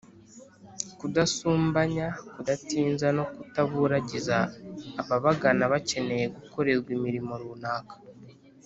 kudasumbanya, kudatinza no kutaburagiza ababagana bakeneye gukorerwa imirimo runaka.